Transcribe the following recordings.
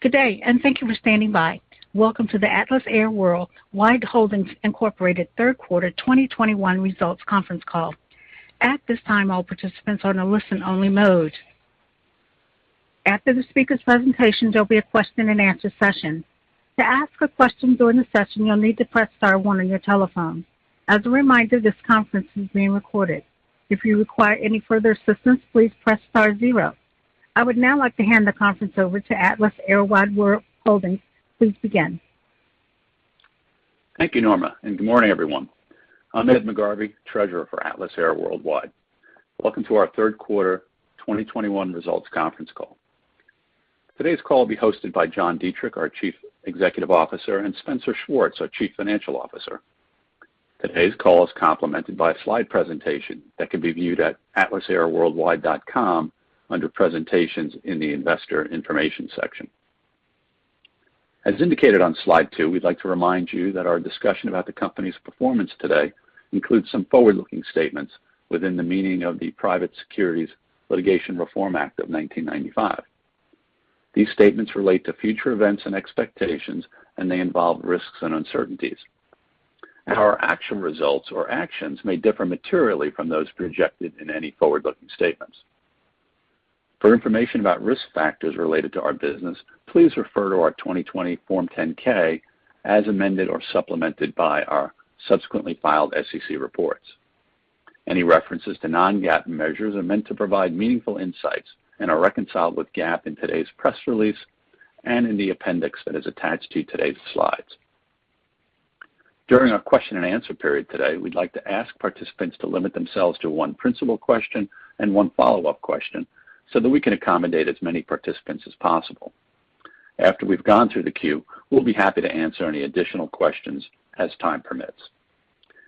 Good day, and thank you for standing by. Welcome to the Atlas Air Worldwide Holdings, Inc. third quarter 2021 results conference call. At this time, all participants are in a listen-only mode. After the speaker's presentation, there'll be a question-and-answer session. To ask a question during the session, you'll need to press star one on your telephone. As a reminder, this conference is being recorded. If you require any further assistance, please press star zero. I would now like to hand the conference over to Atlas Air Worldwide Holdings. Please begin. Thank you, Norma, and good morning, everyone. I'm Ed McGarvey, Treasurer for Atlas Air Worldwide. Welcome to our third quarter 2021 results conference call. Today's call will be hosted by John Dietrich, our Chief Executive Officer, and Spencer Schwartz, our Chief Financial Officer. Today's call is complemented by a slide presentation that can be viewed at atlasairworldwide.com under Presentations in the Investor Information section. As indicated on slide two, we'd like to remind you that our discussion about the company's performance today includes some forward-looking statements within the meaning of the Private Securities Litigation Reform Act of 1995. These statements relate to future events and expectations, and they involve risks and uncertainties. Our actual results or actions may differ materially from those projected in any forward-looking statements. For information about risk factors related to our business, please refer to our 2020 Form 10-K as amended or supplemented by our subsequently filed SEC reports. Any references to non-GAAP measures are meant to provide meaningful insights and are reconciled with GAAP in today's press release and in the appendix that is attached to today's slides. During our question-and-answer period today, we'd like to ask participants to limit themselves to one principal question and one follow-up question so that we can accommodate as many participants as possible. After we've gone through the queue, we'll be happy to answer any additional questions as time permits.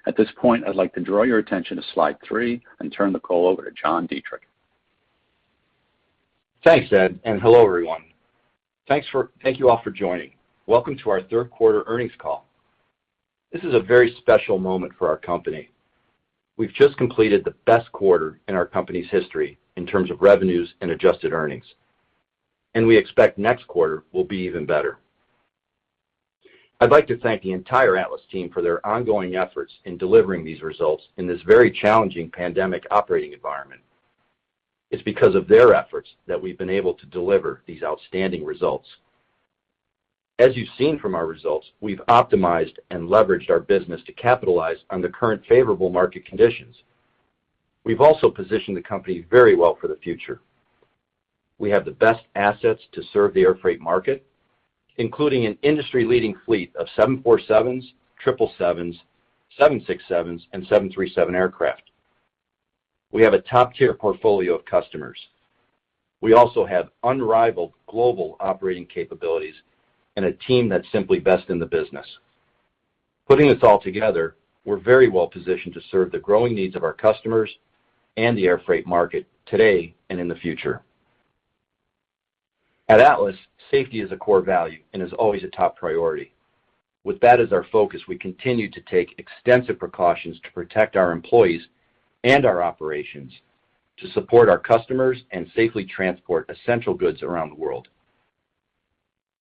At this point, I'd like to draw your attention to slide three and turn the call over to John Dietrich. Thanks, Ed, and hello, everyone. Thank you all for joining. Welcome to our third quarter earnings call. This is a very special moment for our company. We've just completed the best quarter in our company's history in terms of revenues and adjusted earnings. We expect next quarter will be even better. I'd like to thank the entire Atlas team for their ongoing efforts in delivering these results in this very challenging pandemic operating environment. It's because of their efforts that we've been able to deliver these outstanding results. As you've seen from our results, we've optimized and leveraged our business to capitalize on the current favorable market conditions. We've also positioned the company very well for the future. We have the best assets to serve the airfreight market, including an industry-leading fleet of 747s, 777s, 767s, and 737 aircraft. We have a top-tier portfolio of customers. We also have unrivaled global operating capabilities and a team that's simply best in the business. Putting this all together, we're very well-positioned to serve the growing needs of our customers and the airfreight market today and in the future. At Atlas, safety is a core value and is always a top priority. With that as our focus, we continue to take extensive precautions to protect our employees and our operations to support our customers and safely transport essential goods around the world.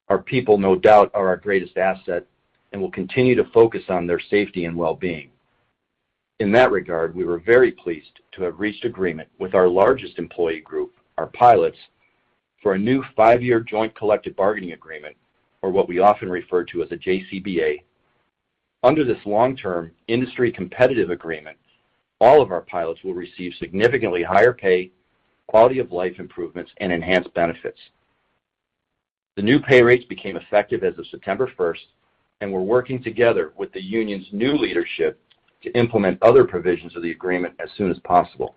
Our people, no doubt, are our greatest asset, and we'll continue to focus on their safety and well-being. In that regard, we were very pleased to have reached agreement with our largest employee group, our pilots, for a new five-year joint collective bargaining agreement or what we often refer to as a JCBA. Under this long-term industry competitive agreement, all of our pilots will receive significantly higher pay, quality-of-life improvements, and enhanced benefits. The new pay rates became effective as of September first, and we're working together with the union's new leadership to implement other provisions of the agreement as soon as possible.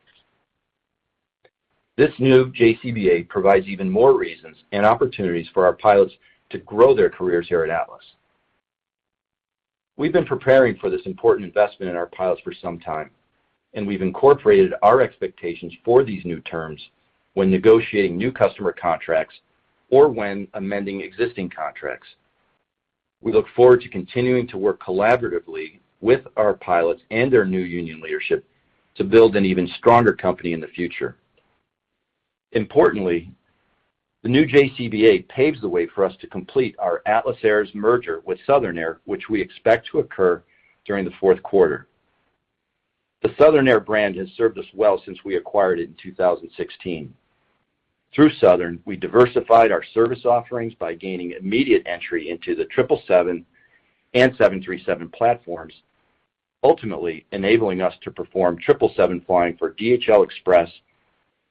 This new JCBA provides even more reasons and opportunities for our pilots to grow their careers here at Atlas. We've been preparing for this important investment in our pilots for some time, and we've incorporated our expectations for these new terms when negotiating new customer contracts or when amending existing contracts. We look forward to continuing to work collaboratively with our pilots and their new union leadership to build an even stronger company in the future. Importantly, the new JCBA paves the way for us to complete our Atlas Air's merger with Southern Air, which we expect to occur during the fourth quarter. The Southern Air brand has served us well since we acquired it in 2016. Through Southern, we diversified our service offerings by gaining immediate entry into the 777 and 737 platforms, ultimately enabling us to perform 777 flying for DHL Express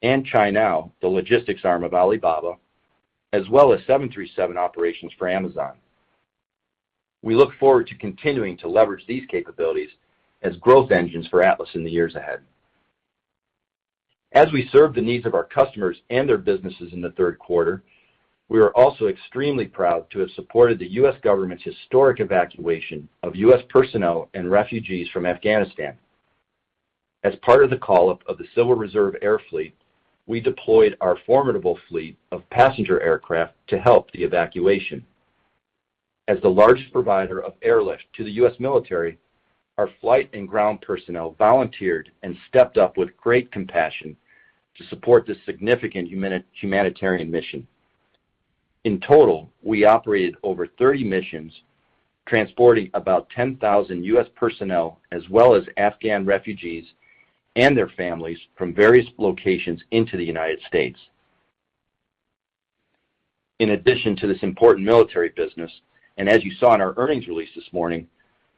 and Cainiao, the logistics arm of Alibaba, as well as 737 operations for Amazon. We look forward to continuing to leverage these capabilities as growth engines for Atlas in the years ahead. As we serve the needs of our customers and their businesses in the third quarter, we are also extremely proud to have supported the U.S. government's historic evacuation of U.S. personnel and refugees from Afghanistan. As part of the call-up of the Civil Reserve Air Fleet, we deployed our formidable fleet of passenger aircraft to help the evacuation. As the largest provider of airlift to the U.S. military, our flight and ground personnel volunteered and stepped up with great compassion to support this significant humanitarian mission. In total, we operated over 30 missions, transporting about 10,000 U.S. personnel as well as Afghan refugees and their families from various locations into the United States. In addition to this important military business, and as you saw in our earnings release this morning,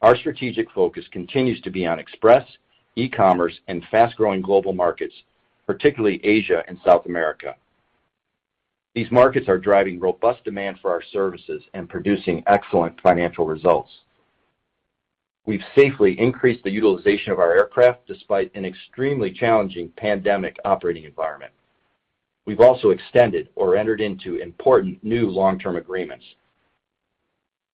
our strategic focus continues to be on express, e-commerce and fast-growing global markets, particularly Asia and South America. These markets are driving robust demand for our services and producing excellent financial results. We've safely increased the utilization of our aircraft despite an extremely challenging pandemic operating environment. We've also extended or entered into important new long-term agreements.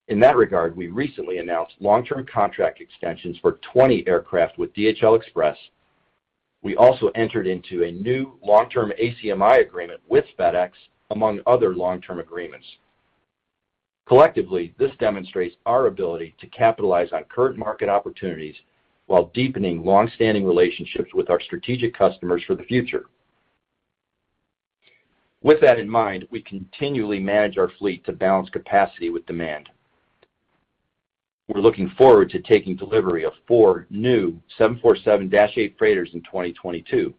In that regard, we recently announced long-term contract extensions for 20 aircraft with DHL Express. We also entered into a new long-term ACMI agreement with FedEx, among other long-term agreements. Collectively, this demonstrates our ability to capitalize on current market opportunities while deepening long-standing relationships with our strategic customers for the future. With that in mind, we continually manage our fleet to balance capacity with demand. We're looking forward to taking delivery of four new 747-8 freighters in 2022.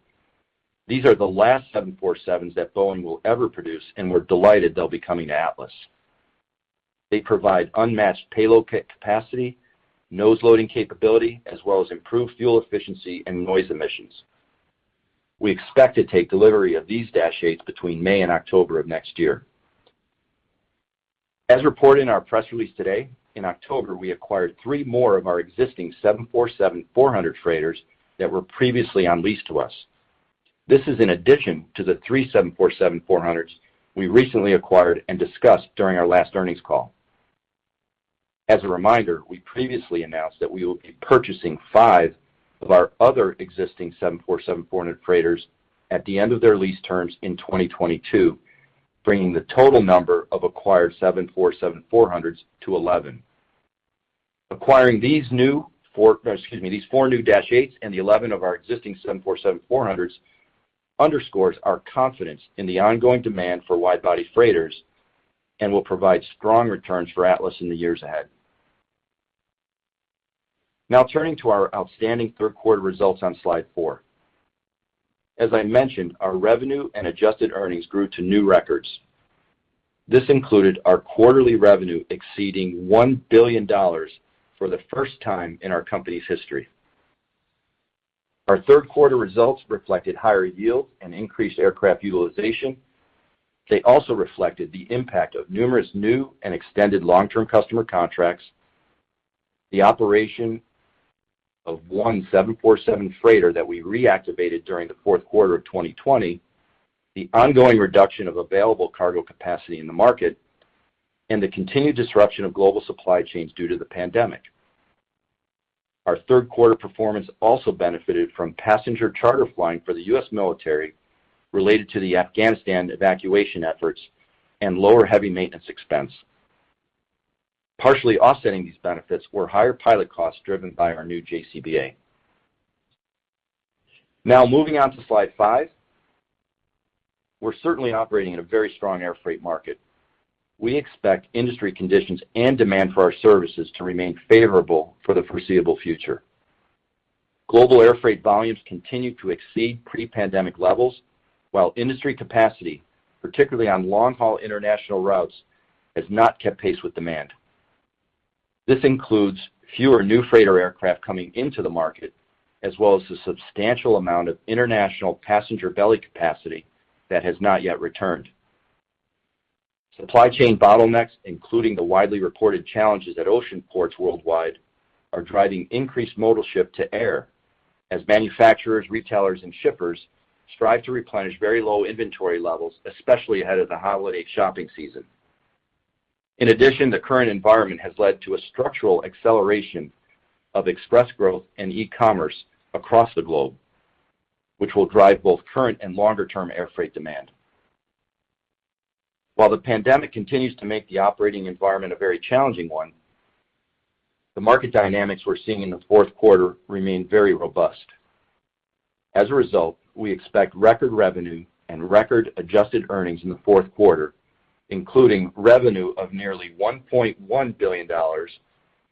These are the last 747s that Boeing will ever produce, and we're delighted they'll be coming to Atlas. They provide unmatched payload capacity, nose loading capability, as well as improved fuel efficiency and noise emissions. We expect to take delivery of these -8s between May and October of next year. As reported in our press release today, in October, we acquired three more of our existing 747-400 freighters that were previously on lease to us. This is in addition to the 3 747-400s we recently acquired and discussed during our last earnings call. As a reminder, we previously announced that we will be purchasing five of our other existing 747-400 freighters at the end of their lease terms in 2022, bringing the total number of acquired 747-400s to 11. Acquiring these four new 747-8s and the 11 of our existing 747-400s underscores our confidence in the ongoing demand for wide-body freighters and will provide strong returns for Atlas in the years ahead. Now turning to our outstanding third quarter results on slide four. As I mentioned, our revenue and adjusted earnings grew to new records. This included our quarterly revenue exceeding $1 billion for the first time in our company's history. Our third quarter results reflected higher yields and increased aircraft utilization. They also reflected the impact of numerous new and extended long-term customer contracts, the operation of one 747 freighter that we reactivated during the fourth quarter of 2020, the ongoing reduction of available cargo capacity in the market, and the continued disruption of global supply chains due to the pandemic. Our third quarter performance also benefited from passenger charter flying for the U.S. military related to the Afghanistan evacuation efforts and lower heavy maintenance expense. Partially offsetting these benefits were higher pilot costs driven by our new JCBA. Now moving on to slide five. We're certainly operating in a very strong airfreight market. We expect industry conditions and demand for our services to remain favorable for the foreseeable future. Global airfreight volumes continue to exceed pre-pandemic levels, while industry capacity, particularly on long-haul international routes, has not kept pace with demand. This includes fewer new freighter aircraft coming into the market, as well as the substantial amount of international passenger belly capacity that has not yet returned. Supply chain bottlenecks, including the widely reported challenges at ocean ports worldwide, are driving increased modal shift to air as manufacturers, retailers, and shippers strive to replenish very low inventory levels, especially ahead of the holiday shopping season. In addition, the current environment has led to a structural acceleration of express growth and e-commerce across the globe, which will drive both current and longer-term airfreight demand. While the pandemic continues to make the operating environment a very challenging one, the market dynamics we're seeing in the fourth quarter remain very robust. As a result, we expect record revenue and record adjusted earnings in the fourth quarter, including revenue of nearly $1.1 billion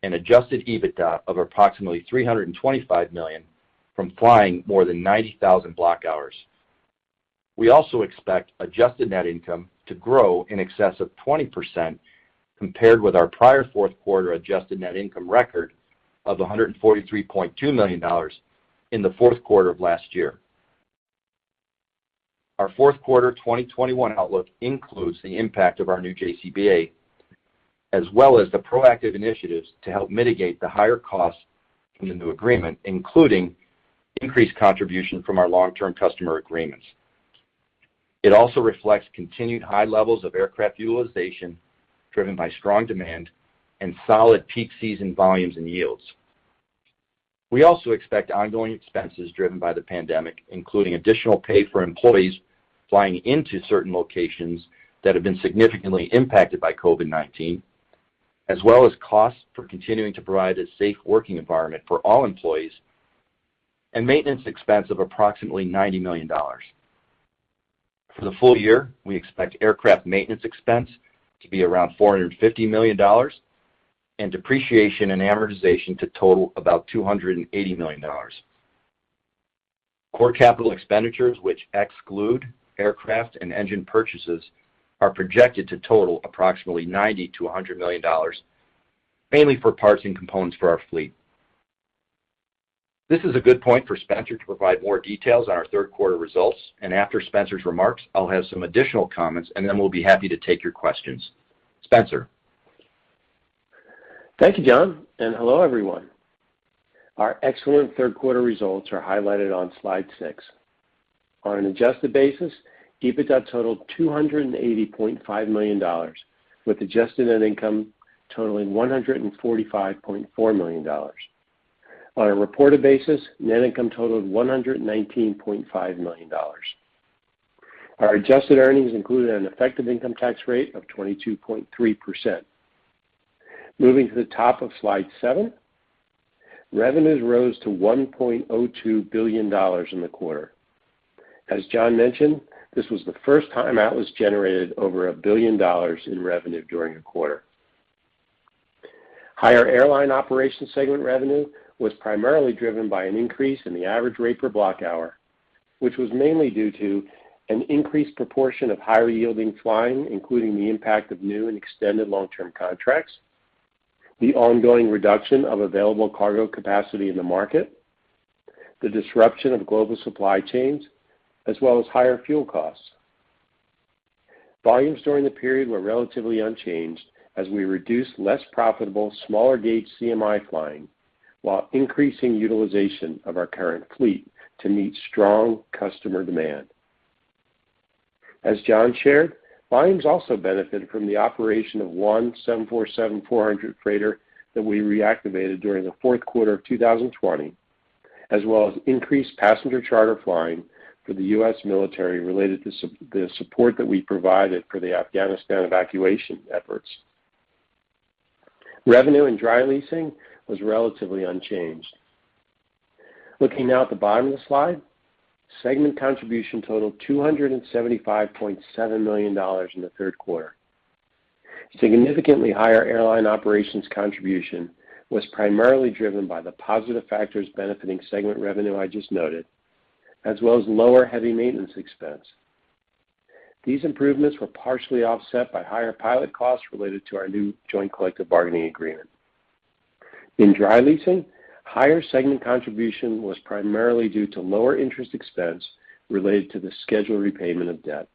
and adjusted EBITDA of approximately $325 million from flying more than 90,000 block hours. We also expect adjusted net income to grow in excess of 20% compared with our prior fourth quarter adjusted net income record of $143.2 million in the fourth quarter of last year. Our fourth quarter 2021 outlook includes the impact of our new JCBA, as well as the proactive initiatives to help mitigate the higher costs from the new agreement, including increased contribution from our long-term customer agreements. It also reflects continued high levels of aircraft utilization driven by strong demand and solid peak season volumes and yields. We also expect ongoing expenses driven by the pandemic, including additional pay for employees flying into certain locations that have been significantly impacted by COVID-19, as well as costs for continuing to provide a safe working environment for all employees and maintenance expense of approximately $90 million. For the full year, we expect aircraft maintenance expense to be around $450 million and depreciation and amortization to total about $280 million. Core capital expenditures, which exclude aircraft and engine purchases, are projected to total approximately $90-$100 million, mainly for parts and components for our fleet. This is a good point for Spencer to provide more details on our third quarter results. After Spencer's remarks, I'll have some additional comments, and then we'll be happy to take your questions. Spencer. Thank you, John, and hello, everyone. Our excellent third quarter results are highlighted on slide six. On an adjusted basis, EBITDA totaled $280.5 million, with adjusted net income totaling $145.4 million. On a reported basis, net income totaled $119.5 million. Our adjusted earnings included an effective income tax rate of 22.3%. Moving to the top of slide seven, revenues rose to $1.02 billion in the quarter. As John mentioned, this was the first time Atlas generated over a billion dollars in revenue during a quarter. Higher Airline Operations segment revenue was primarily driven by an increase in the average rate per block hour, which was mainly due to an increased proportion of higher-yielding flying, including the impact of new and extended long-term contracts, the ongoing reduction of available cargo capacity in the market, the disruption of global supply chains, as well as higher fuel costs. Volumes during the period were relatively unchanged as we reduced less profitable, smaller gauge CMI flying while increasing utilization of our current fleet to meet strong customer demand. As John shared, volumes also benefited from the operation of one 747-400 freighter that we reactivated during the fourth quarter of 2020, as well as increased passenger charter flying for the U.S. military related to the support that we provided for the Afghanistan evacuation efforts. Revenue in Dry Leasing was relatively unchanged. Looking now at the bottom of the slide, segment contribution totaled $275.7 million in the third quarter. Significantly higher airline operations contribution was primarily driven by the positive factors benefiting segment revenue I just noted, as well as lower heavy maintenance expense. These improvements were partially offset by higher pilot costs related to our new joint collective bargaining agreement. In dry leasing, higher segment contribution was primarily due to lower interest expense related to the scheduled repayment of debt.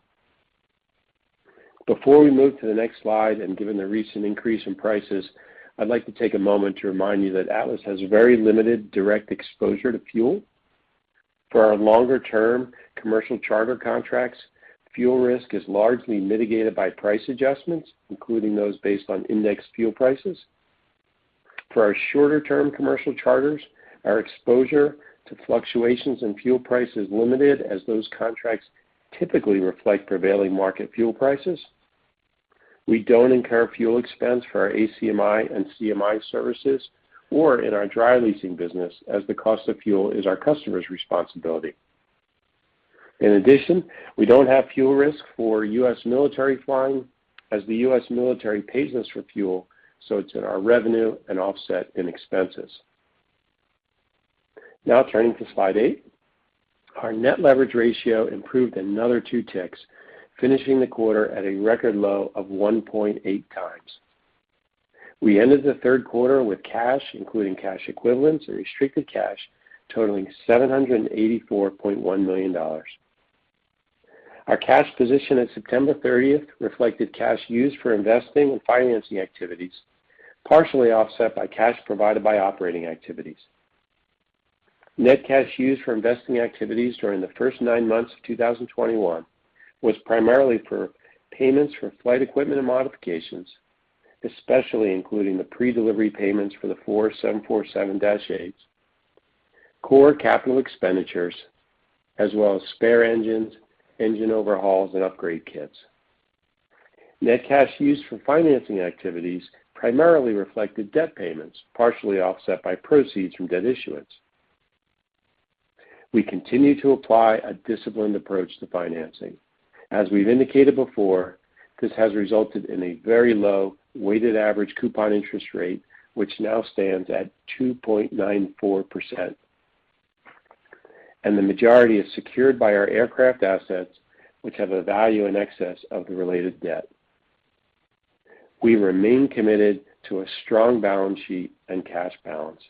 Before we move to the next slide, and given the recent increase in prices, I'd like to take a moment to remind you that Atlas has very limited direct exposure to fuel. For our longer-term commercial charter contracts, fuel risk is largely mitigated by price adjustments, including those based on indexed fuel prices. For our shorter-term commercial charters, our exposure to fluctuations in fuel price is limited, as those contracts typically reflect prevailing market fuel prices. We don't incur fuel expense for our ACMI and CMI services or in our dry leasing business, as the cost of fuel is our customer's responsibility. In addition, we don't have fuel risk for U.S. military flying as the U.S. military pays us for fuel, so it's in our revenue and offset in expenses. Now turning to slide eight. Our net leverage ratio improved another two ticks, finishing the quarter at a record low of 1.8x. We ended the third quarter with cash, including cash equivalents and restricted cash, totaling $784.1 million. Our cash position at September 30 reflected cash used for investing and financing activities, partially offset by cash provided by operating activities. Net cash used for investing activities during the first nine months of 2021 was primarily for payments for flight equipment and modifications, especially including the predelivery payments for the 4 747-8s, core capital expenditures, as well as spare engines, engine overhauls, and upgrade kits. Net cash used for financing activities primarily reflected debt payments, partially offset by proceeds from debt issuance. We continue to apply a disciplined approach to financing. As we've indicated before, this has resulted in a very low weighted average coupon interest rate, which now stands at 2.94%, and the majority is secured by our aircraft assets, which have a value in excess of the related debt. We remain committed to a strong balance sheet and cash balance,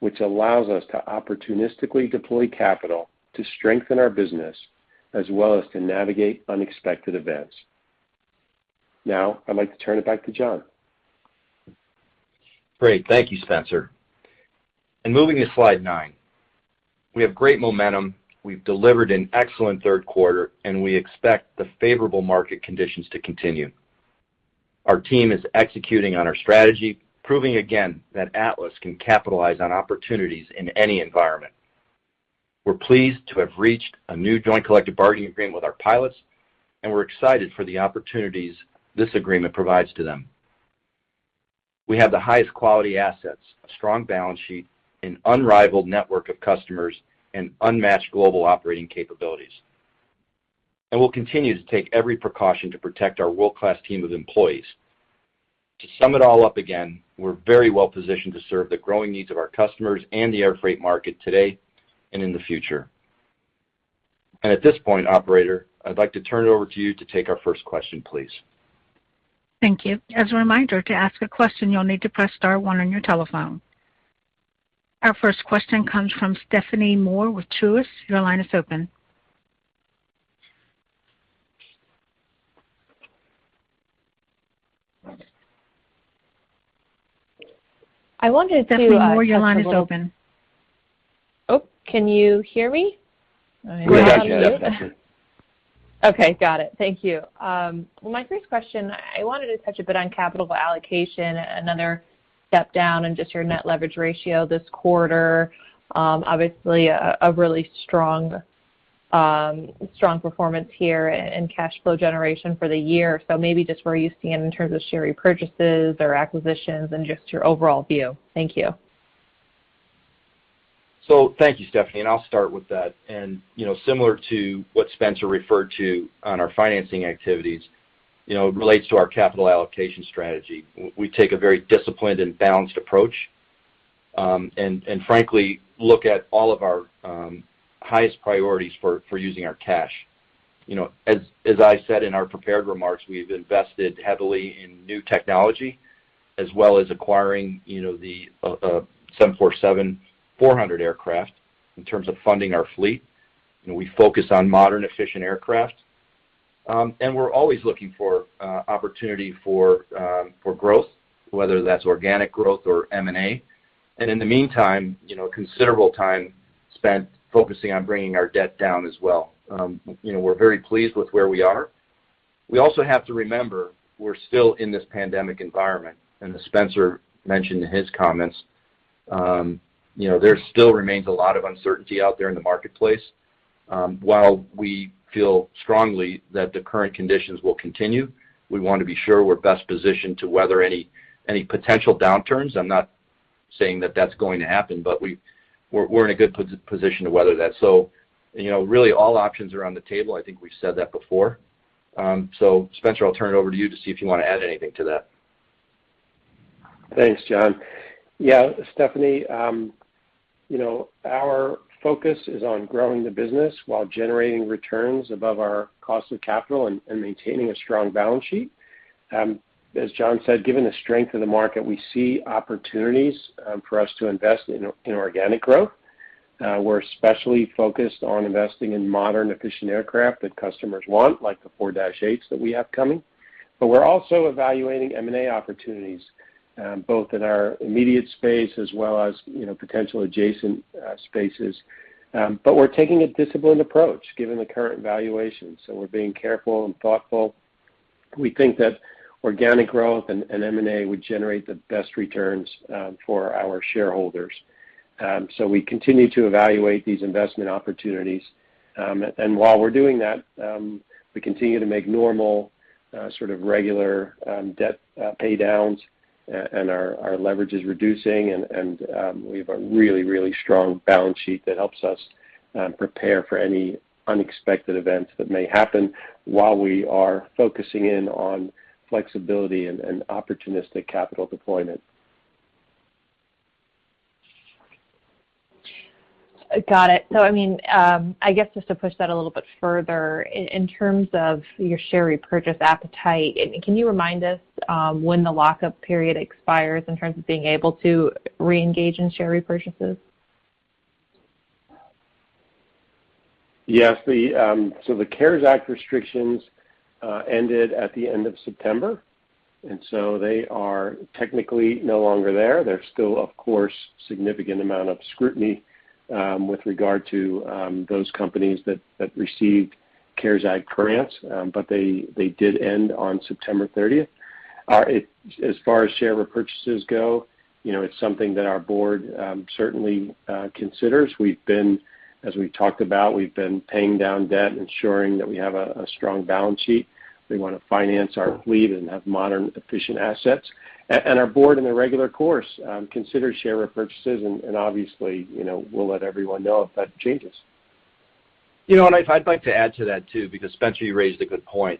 which allows us to opportunistically deploy capital to strengthen our business as well as to navigate unexpected events. Now, I'd like to turn it back to John. Great. Thank you, Spencer. Moving to slide nine. We have great momentum. We've delivered an excellent third quarter, and we expect the favorable market conditions to continue. Our team is executing on our strategy, proving again that Atlas can capitalize on opportunities in any environment. We're pleased to have reached a new joint collective bargaining agreement with our pilots, and we're excited for the opportunities this agreement provides to them. We have the highest quality assets, a strong balance sheet, an unrivaled network of customers, and unmatched global operating capabilities, and we'll continue to take every precaution to protect our world-class team of employees. To sum it all up again, we're very well positioned to serve the growing needs of our customers and the airfreight market today and in the future. At this point, operator, I'd like to turn it over to you to take our first question, please. Thank you. As a reminder, to ask a question, you'll need to press star one on your telephone. Our first question comes from Stephanie Moore with Truist. Your line is open. I wanted to- Stephanie Moore, your line is open. Oh, can you hear me? We got you. Okay, got it. Thank you. Well, my first question, I wanted to touch a bit on capital allocation, another step down in just your net leverage ratio this quarter. Obviously a really strong performance here in cash flow generation for the year. Maybe just where you stand in terms of share repurchases or acquisitions and just your overall view. Thank you. Thank you, Stephanie, and I'll start with that. You know, similar to what Spencer referred to on our financing activities, you know, it relates to our capital allocation strategy. We take a very disciplined and balanced approach, and frankly, look at all of our highest priorities for using our cash. You know, as I said in our prepared remarks, we've invested heavily in new technology as well as acquiring, you know, the 747-400 aircraft in terms of funding our fleet. We focus on modern, efficient aircraft. We're always looking for opportunity for growth, whether that's organic growth or M&A. In the meantime, you know, considerable time spent focusing on bringing our debt down as well. You know, we're very pleased with where we are. We also have to remember we're still in this pandemic environment, and as Spencer mentioned in his comments, you know, there still remains a lot of uncertainty out there in the marketplace. While we feel strongly that the current conditions will continue, we want to be sure we're best positioned to weather any potential downturns. I'm not saying that that's going to happen, but we're in a good position to weather that. You know, really all options are on the table. I think we've said that before. Spencer, I'll turn it over to you to see if you wanna add anything to that. Thanks, John. Yeah, Stephanie, you know, our focus is on growing the business while generating returns above our cost of capital and maintaining a strong balance sheet. As John said, given the strength of the market, we see opportunities for us to invest in organic growth. We're especially focused on investing in modern, efficient aircraft that customers want, like the 747-8s that we have coming. We're also evaluating M&A opportunities both in our immediate space as well as, you know, potential adjacent spaces. We're taking a disciplined approach given the current valuations, so we're being careful and thoughtful. We think that organic growth and M&A would generate the best returns for our shareholders. We continue to evaluate these investment opportunities. While we're doing that, we continue to make normal, sort of regular, debt pay downs. Our leverage is reducing, and we have a really strong balance sheet that helps us prepare for any unexpected events that may happen while we are focusing in on flexibility and opportunistic capital deployment. Got it. I mean, I guess just to push that a little bit further, in terms of your share repurchase appetite, can you remind us, when the lockup period expires in terms of being able to reengage in share repurchases? Yes. So the CARES Act restrictions ended at the end of September, and so they are technically no longer there. There's still, of course, a significant amount of scrutiny with regard to those companies that received CARES Act grants, but they did end on September 30. As far as share repurchases go, you know, it's something that our board certainly considers. As we've talked about, we've been paying down debt, ensuring that we have a strong balance sheet. We wanna finance our fleet and have modern, efficient assets. And our board in their regular course consider share repurchases and obviously, you know, we'll let everyone know if that changes. You know, I'd like to add to that too because Spencer, you raised a good point.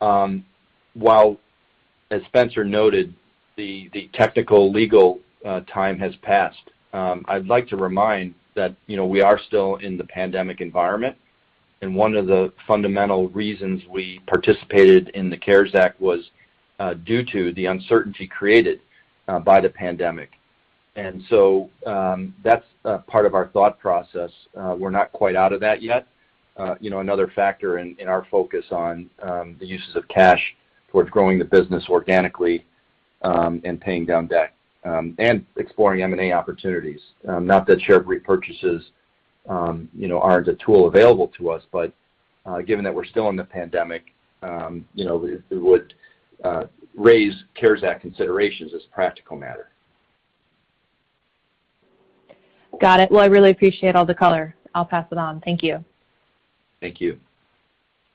While as Spencer noted, the technical legal time has passed, I'd like to remind that you know, we are still in the pandemic environment, and one of the fundamental reasons we participated in the CARES Act was due to the uncertainty created by the pandemic. That's part of our thought process. We're not quite out of that yet. You know, another factor in our focus on the uses of cash towards growing the business organically, and paying down debt, and exploring M&A opportunities. Not that share repurchases, you know, aren't a tool available to us, but, given that we're still in the pandemic, you know, it would raise CARES Act considerations as a practical matter. Got it. Well, I really appreciate all the color. I'll pass it on. Thank you. Thank you.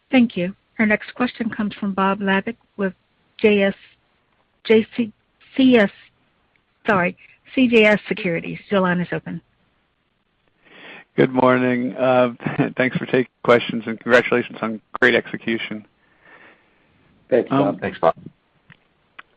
Thank you. Our next question comes from Bob Labick with CJS Securities. Your line is open. Good morning. Thanks for taking questions, and congratulations on great execution. Thanks, Bob. Thanks, Bob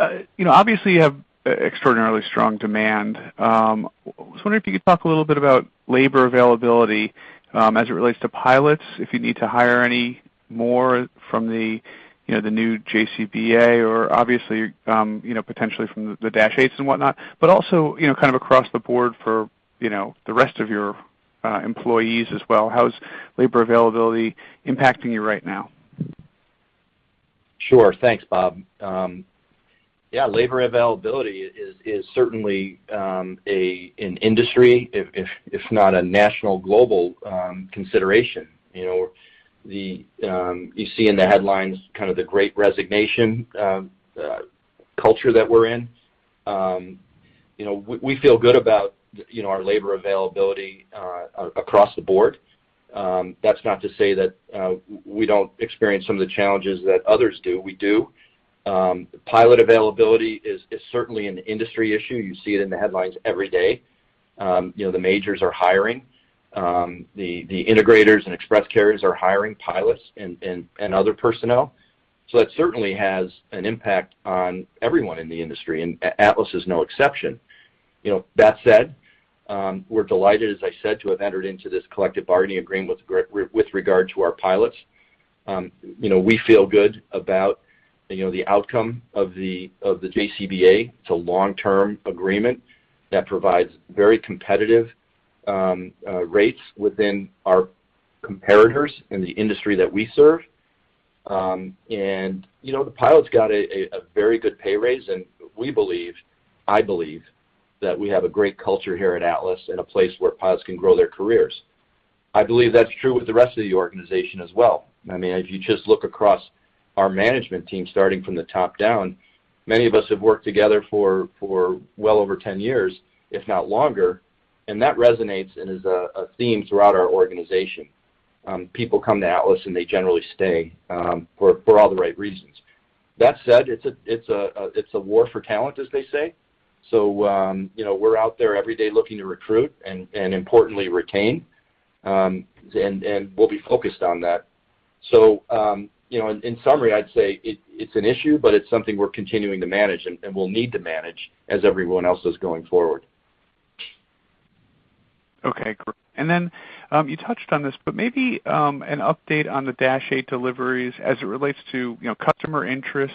Labick. You know, obviously you have extraordinarily strong demand. I was wondering if you could talk a little bit about labor availability, as it relates to pilots, if you need to hire any more from the, you know, the new JCBA or obviously, you know, potentially from the Dash-8s and whatnot, but also, you know, kind of across the board for, you know, the rest of your employees as well. How is labor availability impacting you right now? Sure. Thanks, Bob. Yeah, labor availability is certainly an industry if not a national global consideration. You know, you see in the headlines kind of the Great Resignation culture that we're in. You know, we feel good about, you know, our labor availability across the board. That's not to say that we don't experience some of the challenges that others do. We do. Pilot availability is certainly an industry issue. You see it in the headlines every day. You know, the majors are hiring. The integrators and express carriers are hiring pilots and other personnel. So that certainly has an impact on everyone in the industry, and Atlas is no exception. You know, that said, we're delighted, as I said, to have entered into this collective bargaining agreement with regard to our pilots. You know, we feel good about the outcome of the JCBA. It's a long-term agreement that provides very competitive rates within our comparators in the industry that we serve. You know, the pilots got a very good pay raise, and we believe, I believe that we have a great culture here at Atlas and a place where pilots can grow their careers. I believe that's true with the rest of the organization as well. I mean, if you just look across our management team, starting from the top down, many of us have worked together for well over 10 years, if not longer, and that resonates and is a theme throughout our organization. People come to Atlas, and they generally stay for all the right reasons. That said, it's a war for talent, as they say. You know, we're out there every day looking to recruit and importantly retain, and we'll be focused on that. You know, in summary, I'd say it's an issue, but it's something we're continuing to manage and will need to manage as everyone else is going forward. Okay, great. You touched on this, but maybe an update on the Dash-8 deliveries as it relates to, you know, customer interest,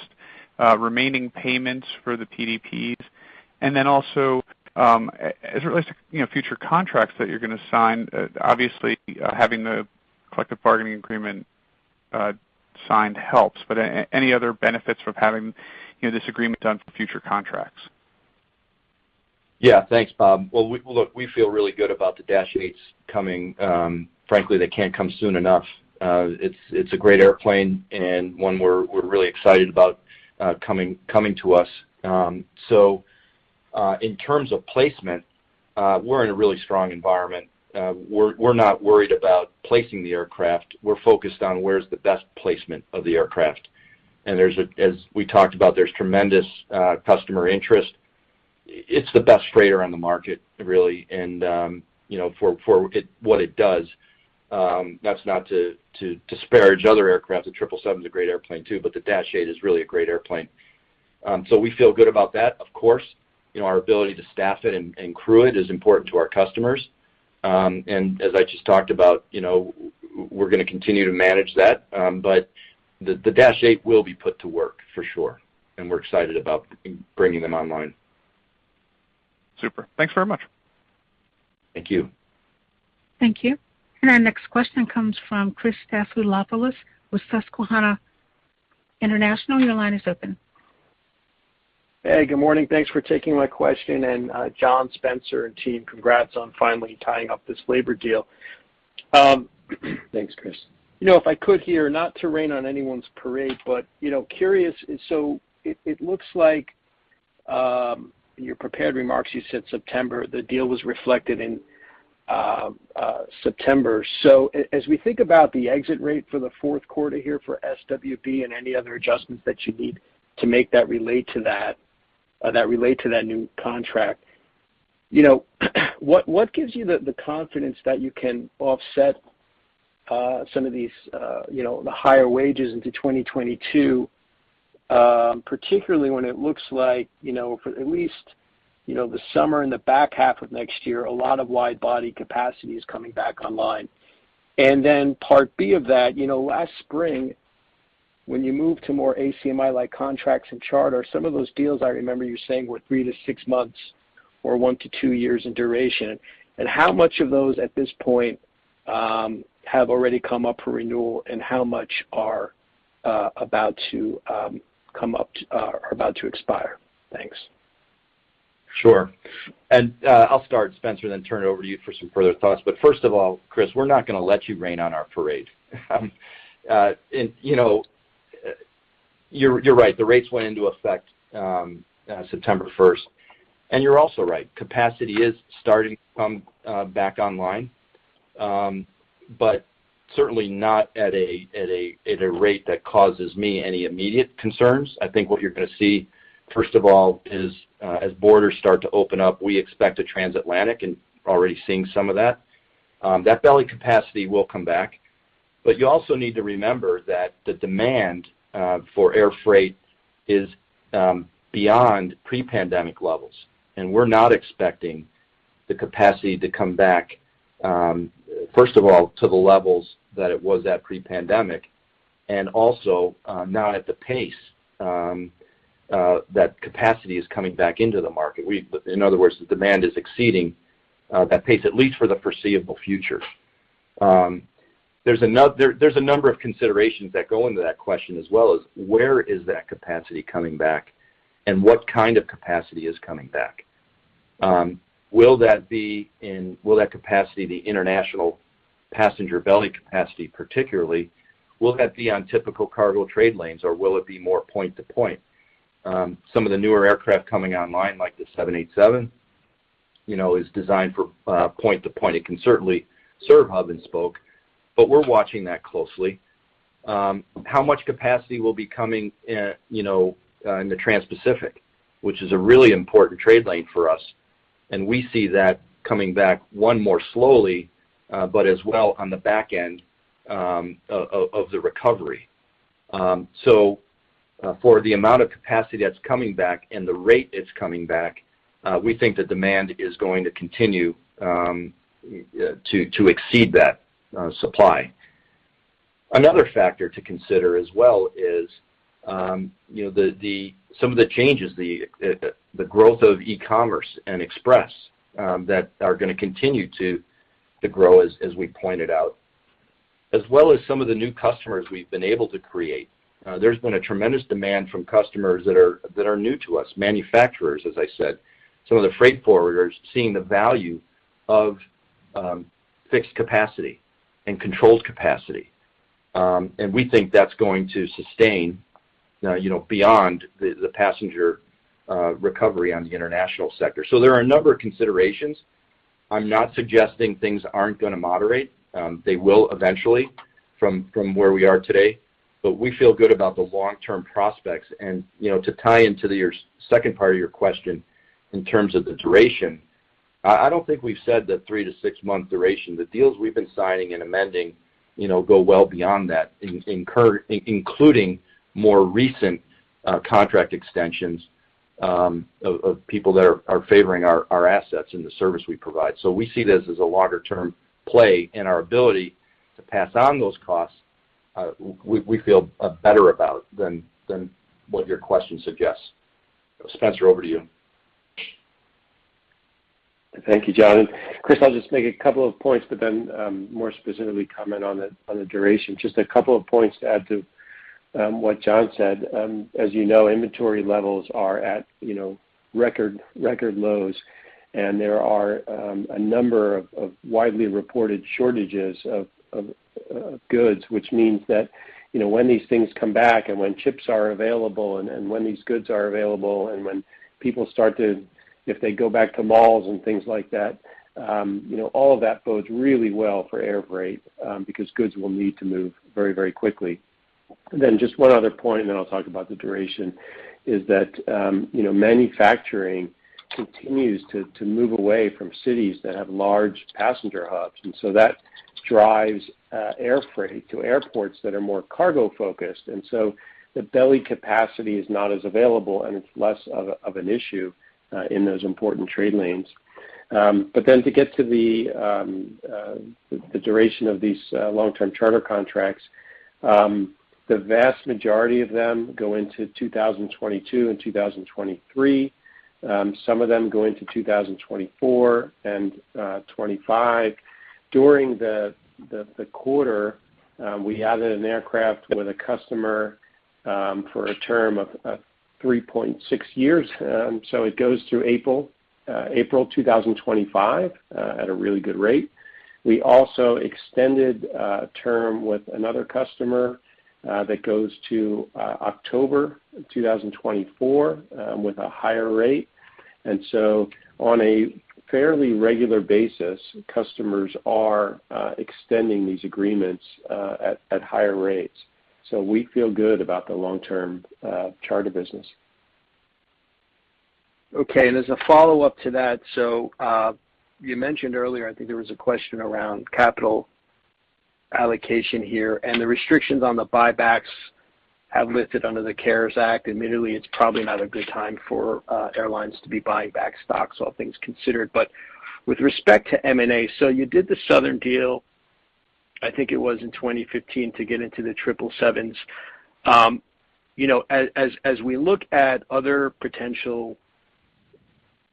remaining payments for the PDPs, and then also, as it relates to, you know, future contracts that you're gonna sign, obviously, having the collective bargaining agreement signed helps, but any other benefits from having, you know, this agreement done for future contracts? Yeah. Thanks, Bob. Well, look, we feel really good about the Dash-8s coming. Frankly, they can't come soon enough. It's a great airplane and one we're really excited about coming to us. So, in terms of placement, we're in a really strong environment. We're not worried about placing the aircraft. We're focused on where's the best placement of the aircraft. As we talked about, there's tremendous customer interest. It's the best freighter on the market, really, and you know, for what it does, that's not to disparage other aircraft. The 777 is a great airplane, too, but the Dash-8 is really a great airplane. So we feel good about that. Of course, you know, our ability to staff it and crew it is important to our customers. As I just talked about, you know, we're gonna continue to manage that. The Dash-8 will be put to work for sure, and we're excited about bringing them online. Super. Thanks very much. Thank you. Thank you. Our next question comes from Chris Stathoulopoulos with Susquehanna International. Your line is open. Hey, good morning. Thanks for taking my question. John, Spencer, and team, congrats on finally tying up this labor deal. Thanks, Chris. You know, if I could here, not to rain on anyone's parade, but, you know, I'm curious. It looks like in your prepared remarks, you said September, the deal was reflected in September. As we think about the exit rate for the fourth quarter here for SWP and any other adjustments that you need to make that relate to that new contract, you know, what gives you the confidence that you can offset some of these, you know, the higher wages into 2022, particularly when it looks like, you know, for at least, you know, the summer and the back half of next year, a lot of wide body capacity is coming back online. Part B of that, you know, last spring, when you moved to more ACMI-like contracts and charters, some of those deals I remember you saying were 3-6 months or 1-2 years in duration. How much of those at this point have already come up for renewal, and how much are about to come up or about to expire? Thanks. Sure. I'll start, Spencer, and then turn it over to you for some further thoughts. First of all, Chris, we're not gonna let you rain on our parade. You know, you're right, the rates went into effect September first. You're also right, capacity is starting to come back online. Certainly not at a rate that causes me any immediate concerns. I think what you're gonna see, first of all, is as borders start to open up, we expect the transatlantic, and already seeing some of that belly capacity will come back. You also need to remember that the demand for air freight is beyond pre-pandemic levels, and we're not expecting the capacity to come back, first of all, to the levels that it was at pre-pandemic, and also, not at the pace that capacity is coming back into the market. In other words, the demand is exceeding that pace, at least for the foreseeable future. There's a number of considerations that go into that question as well as where is that capacity coming back and what kind of capacity is coming back. Will that capacity, the international passenger belly capacity particularly, will that be on typical cargo trade lanes, or will it be more point to point? Some of the newer aircraft coming online, like the 787, you know, is designed for point to point. It can certainly serve hub and spoke, but we're watching that closely. How much capacity will be coming, you know, in the transpacific, which is a really important trade lane for us. We see that coming back only more slowly but as well on the back end of the recovery. For the amount of capacity that's coming back and the rate it's coming back, we think the demand is going to continue to exceed that supply. Another factor to consider as well is, you know, some of the changes, the growth of e-commerce and express that are gonna continue to grow as we pointed out, as well as some of the new customers we've been able to create. There's been a tremendous demand from customers that are new to us, manufacturers, as I said, some of the freight forwarders seeing the value of fixed capacity and controlled capacity. We think that's going to sustain, you know, beyond the passenger recovery on the international sector. There are a number of considerations. I'm not suggesting things aren't gonna moderate. They will eventually from where we are today. We feel good about the long-term prospects. You know, to tie into your second part of your question in terms of the duration, I don't think we've said that 3-6-month duration. The deals we've been signing and amending, you know, go well beyond that, including more recent contract extensions of people that are favoring our assets and the service we provide. We see this as a longer-term play in our ability to pass on those costs, we feel better about than what your question suggests. Spencer, over to you. Thank you, John. Chris, I'll just make a couple of points, but then more specifically comment on the duration. Just a couple of points to add to what John said. As you know, inventory levels are at, you know, record lows, and there are a number of widely reported shortages of goods, which means that, you know, when these things come back and when chips are available and when these goods are available and when people start if they go back to malls and things like that, you know, all of that bodes really well for air freight, because goods will need to move very, very quickly. Just one other point, and then I'll talk about the duration, is that you know manufacturing continues to move away from cities that have large passenger hubs. That drives air freight to airports that are more cargo-focused. The belly capacity is not as available, and it's less of an issue in those important trade lanes. To get to the duration of these long-term charter contracts, the vast majority of them go into 2022 and 2023. Some of them go into 2024 and 2025. During the quarter, we added an aircraft with a customer for a term of 3.6 years, so it goes through April 2025 at a really good rate. We also extended a term with another customer, that goes to October 2024, with a higher rate. On a fairly regular basis, customers are extending these agreements at higher rates. We feel good about the long-term charter business. Okay. As a follow-up to that, you mentioned earlier, I think there was a question around capital allocation here, and the restrictions on the buybacks have lifted under the CARES Act. Admittedly, it's probably not a good time for airlines to be buying back stocks, all things considered. With respect to M&A, you did the Southern deal, I think it was in 2015 to get into the 777s. You know, as we look at other potential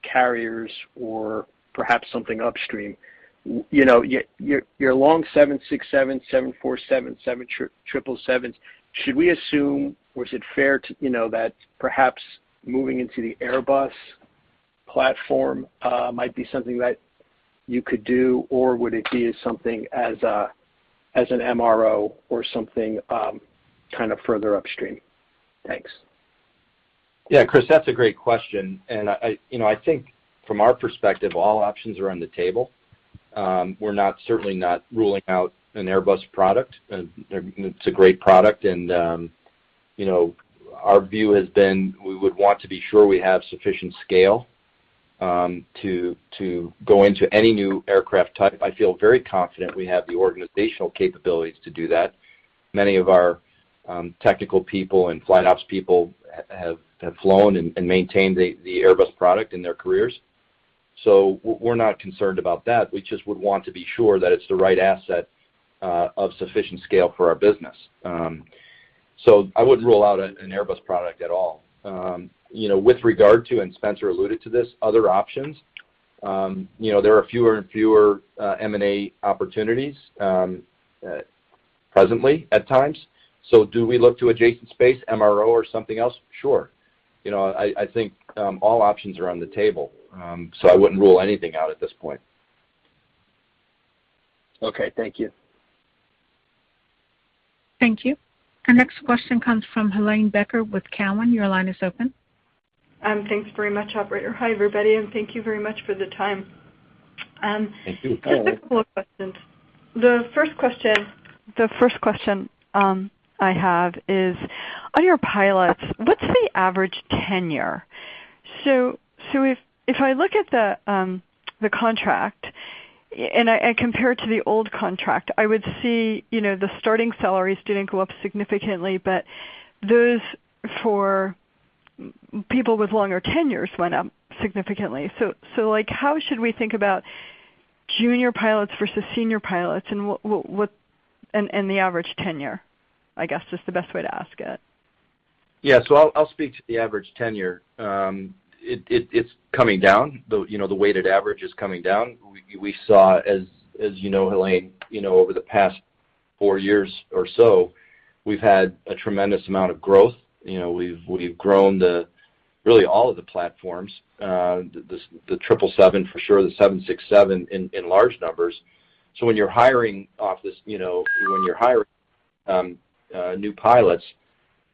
carriers or perhaps something upstream, you know, your long 767, 747, 777, should we assume or is it fair to, you know, that perhaps moving into the Airbus platform might be something that you could do, or would it be something as an MRO or something kind of further upstream? Thanks. Yeah, Chris, that's a great question. I you know I think from our perspective, all options are on the table. We're not certainly not ruling out an Airbus product. It's a great product. You know our view has been we would want to be sure we have sufficient scale to go into any new aircraft type. I feel very confident we have the organizational capabilities to do that. Many of our technical people and flight ops people have flown and maintained the Airbus product in their careers. We're not concerned about that. We just would want to be sure that it's the right asset of sufficient scale for our business. I wouldn't rule out an Airbus product at all. You know, with regard to, and Spencer alluded to this, other options, you know, there are fewer and fewer M&A opportunities presently at times. Do we look to adjacent space, MRO or something else? Sure. You know, I think all options are on the table. I wouldn't rule anything out at this point. Okay, thank you. Thank you. Our next question comes from Helane Becker with Cowen. Your line is open. Thanks very much, operator. Hi, everybody, and thank you very much for the time. Thank you. Just a couple of questions. The first question I have is on your pilots, what's the average tenure? If I look at the contract and compare it to the old contract, I would see, you know, the starting salaries didn't go up significantly, but those for more people with longer tenures went up significantly. Like, how should we think about junior pilots versus senior pilots and what and the average tenure, I guess, is the best way to ask it. Yeah. I'll speak to the average tenure. It, it's coming down. You know, the weighted average is coming down. We saw as you know, Helane, you know, over the past four years or so, we've had a tremendous amount of growth. You know, we've grown really all of the platforms, the 777 for sure, the 767 in large numbers. So when you're hiring off this, you know, when you're hiring new pilots,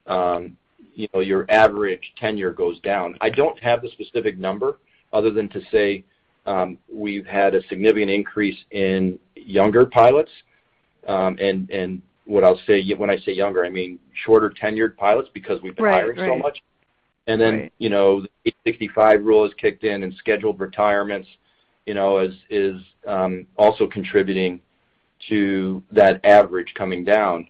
you know, your average tenure goes down. I don't have the specific number other than to say, we've had a significant increase in younger pilots, and what I'll say, when I say younger, I mean shorter tenured pilots because we've been hiring so much. Right. Right. You know, the eight sixty-five rule has kicked in and scheduled retirements, you know, is also contributing to that average coming down.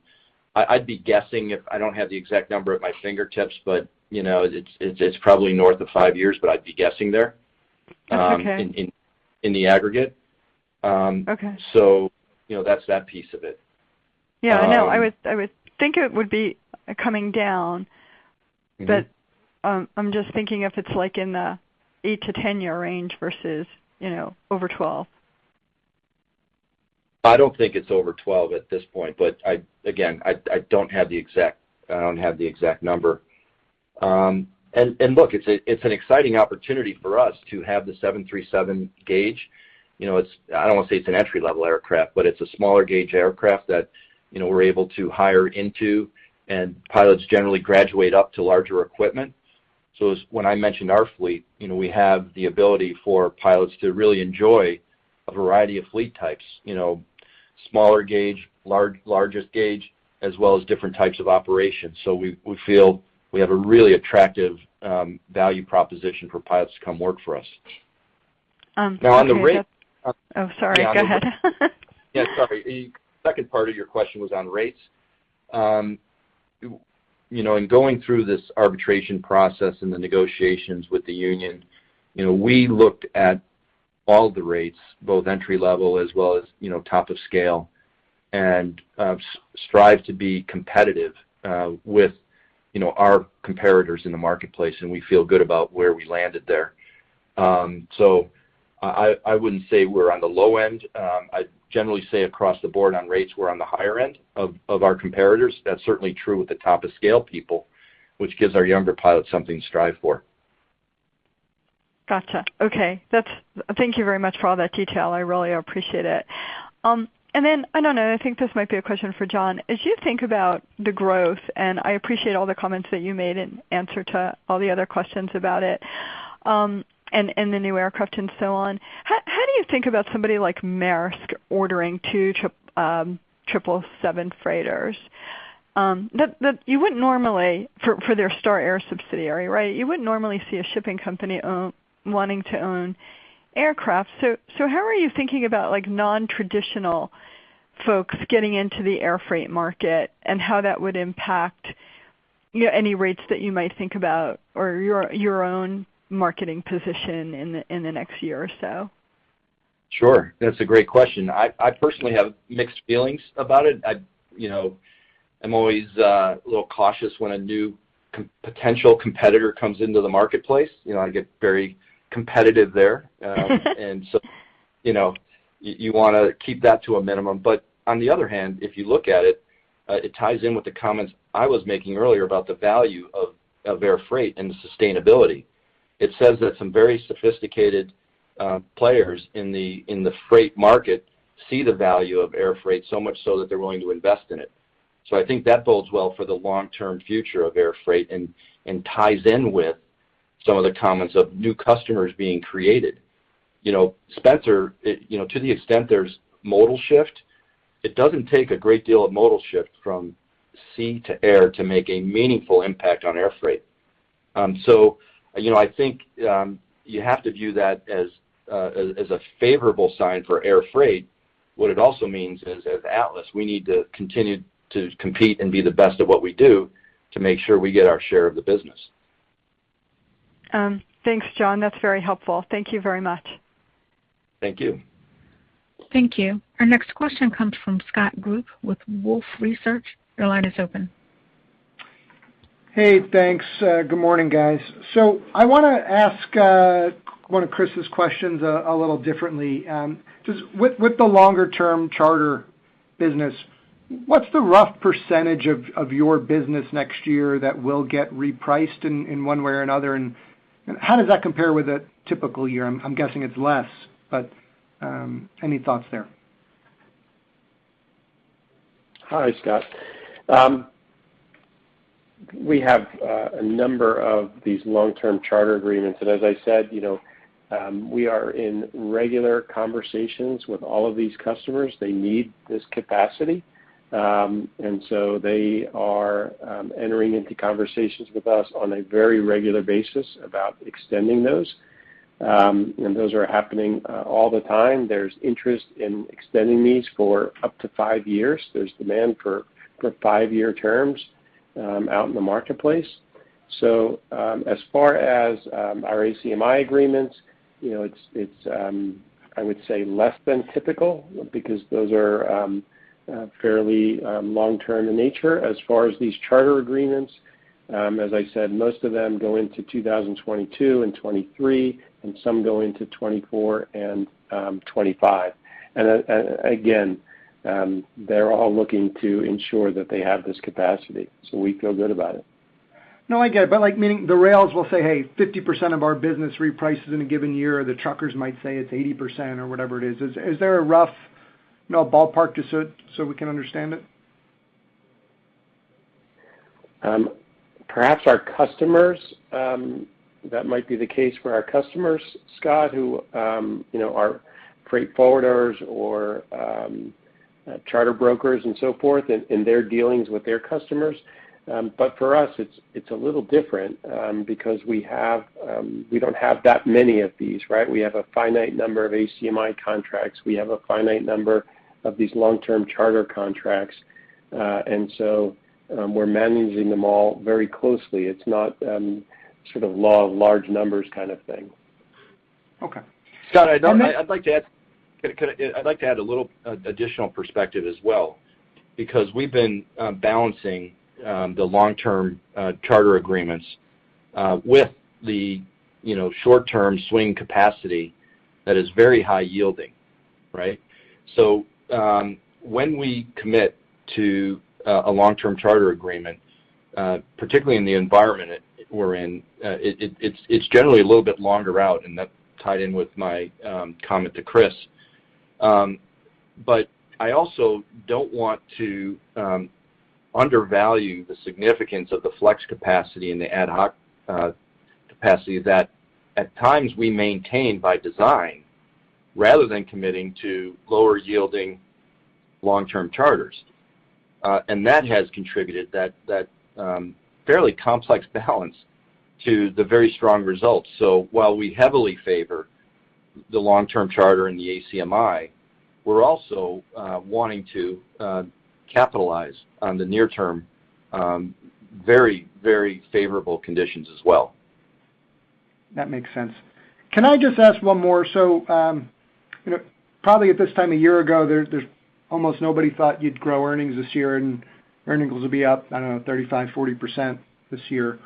I'd be guessing if I don't have the exact number at my fingertips, but, you know, it's probably north of five years, but I'd be guessing there. Okay In the aggregate. Okay... you know, that's that piece of it. Yeah, I know. I would think it would be coming down. Mm-hmm. I'm just thinking if it's like in the 8-10-year range versus, you know, over 12. I don't think it's over 12 at this point, but again, I don't have the exact number. And look, it's an exciting opportunity for us to have the 737 gauge. You know, it's. I don't wanna say it's an entry-level aircraft, but it's a smaller gauge aircraft that, you know, we're able to hire into, and pilots generally graduate up to larger equipment. So when I mention our fleet, you know, we have the ability for pilots to really enjoy a variety of fleet types, you know, smaller gauge, largest gauge, as well as different types of operations. So we feel we have a really attractive value proposition for pilots to come work for us. Okay. Now on the rate. Oh, sorry. Go ahead. Yeah, sorry. The second part of your question was on rates. You know, in going through this arbitration process and the negotiations with the union, you know, we looked at all the rates, both entry-level as well as, you know, top of scale, and strived to be competitive with you know, our comparators in the marketplace, and we feel good about where we landed there. I wouldn't say we're on the low end. I'd generally say across the board on rates, we're on the higher end of our comparators. That's certainly true with the top of scale people, which gives our younger pilots something to strive for. Gotcha. Okay. That's. Thank you very much for all that detail. I really appreciate it. I don't know, I think this might be a question for John. As you think about the growth, and I appreciate all the comments that you made in answer to all the other questions about it, and the new aircraft and so on, how do you think about somebody like Maersk ordering two 777 freighters? That you wouldn't normally for their Star Air subsidiary, right? You wouldn't normally see a shipping company own, wanting to own aircraft. So how are you thinking about, like, non-traditional folks getting into the air freight market and how that would impact, you know, any rates that you might think about or your own marketing position in the next year or so? Sure. That's a great question. I personally have mixed feelings about it. I you know, I'm always a little cautious when a new potential competitor comes into the marketplace. You know, I get very competitive there. You know, you want to keep that to a minimum. On the other hand, if you look at it ties in with the comments I was making earlier about the value of air freight and the sustainability. It says that some very sophisticated players in the freight market see the value of air freight so much so that they're willing to invest in it. I think that bodes well for the long-term future of air freight and ties in with some of the comments of new customers being created. You know, Spencer, you know, to the extent there's modal shift, it doesn't take a great deal of modal shift from sea to air to make a meaningful impact on air freight. You know, I think you have to view that as a favorable sign for air freight. What it also means is, as Atlas, we need to continue to compete and be the best at what we do to make sure we get our share of the business. Thanks, John. That's very helpful. Thank you very much. Thank you. Thank you. Our next question comes from Scott Group with Wolfe Research. Your line is open. Hey, thanks. Good morning, guys. I wanna ask one of Chris's questions a little differently. Just with the longer-term charter business, what's the rough percentage of your business next year that will get repriced in one way or another? And how does that compare with a typical year? I'm guessing it's less, but any thoughts there? Hi, Scott. We have a number of these long-term charter agreements. As I said, you know, we are in regular conversations with all of these customers. They need this capacity. They are entering into conversations with us on a very regular basis about extending those. Those are happening all the time. There's interest in extending these for up to five years. There's demand for five-year terms out in the marketplace. As far as our ACMI agreements, you know, it's I would say less than typical because those are fairly long-term in nature. As far as these charter agreements, as I said, most of them go into 2022 and 2023, and some go into 2024 and 2025. Again, they're all looking to ensure that they have this capacity, so we feel good about it. No, I get it. Like, meaning the rails will say, "Hey, 50% of our business reprices in a given year." The truckers might say it's 80% or whatever it is. Is there a rough, you know, ballpark just so we can understand it? Perhaps our customers. That might be the case for our customers, Scott, who you know are freight forwarders or charter brokers and so forth in their dealings with their customers. For us, it's a little different because we don't have that many of these, right? We have a finite number of ACMI contracts. We have a finite number of these long-term charter contracts. We're managing them all very closely. It's not sort of law of large numbers kind of thing. Okay. Scott, I'd like to add a little additional perspective as well because we've been balancing the long-term charter agreements with the, you know, short-term swing capacity that is very high yielding, right? When we commit to a long-term charter agreement, particularly in the environment we're in, it's generally a little bit longer out, and that tied in with my comment to Chris. I also don't want to undervalue the significance of the flex capacity and the ad hoc capacity that at times we maintain by design rather than committing to lower yielding long-term charters. That has contributed that fairly complex balance to the very strong results. While we heavily favor the long-term charter and the ACMI, we're also wanting to capitalize on the near term, very favorable conditions as well. That makes sense. Can I just ask one more? You know, probably at this time a year ago, there's almost nobody thought you'd grow earnings this year, and earnings will be up, I don't know, 35%-40% this year.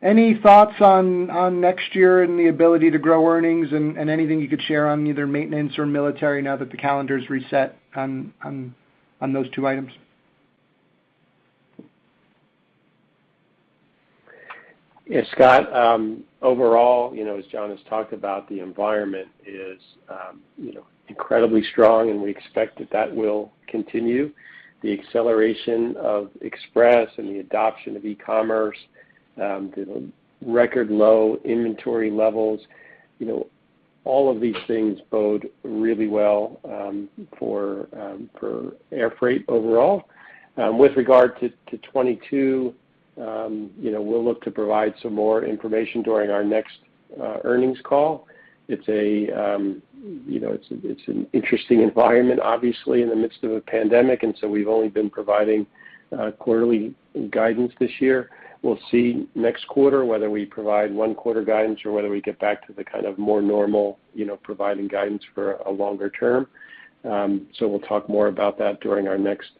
Any thoughts on next year and the ability to grow earnings and anything you could share on either maintenance or military now that the calendar's reset on those two items? Yeah, Scott. Overall, you know, as John has talked about, the environment is, you know, incredibly strong, and we expect that will continue. The acceleration of express and the adoption of e-commerce, the record low inventory levels, you know, all of these things bode really well, for air freight overall. With regard to 2022, you know, we'll look to provide some more information during our next earnings call. It's, you know, an interesting environment, obviously, in the midst of a pandemic, and we've only been providing quarterly guidance this year. We'll see next quarter whether we provide one quarter guidance or whether we get back to the kind of more normal, you know, providing guidance for a longer term. We'll talk more about that during our next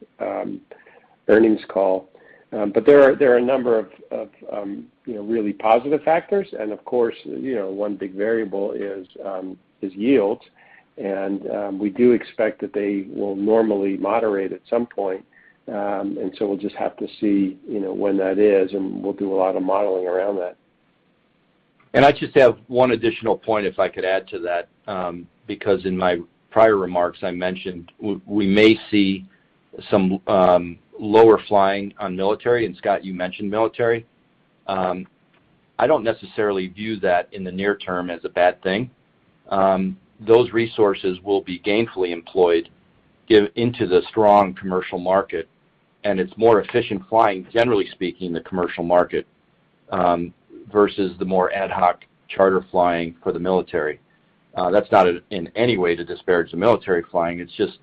earnings call. There are a number of you know really positive factors. Of course you know one big variable is yields. We do expect that they will normally moderate at some point. We'll just have to see you know when that is and we'll do a lot of modeling around that. I just have one additional point, if I could add to that, because in my prior remarks, I mentioned we may see some lower flying on military. Scott, you mentioned military. I don't necessarily view that in the near term as a bad thing. Those resources will be gainfully employed into the strong commercial market, and it's more efficient flying, generally speaking, the commercial market, versus the more ad hoc charter flying for the military. That's not in any way to disparage the military flying. It's just